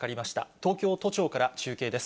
東京都庁から中継です。